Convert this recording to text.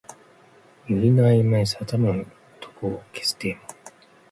百合の間に挟まる男を消すデーモン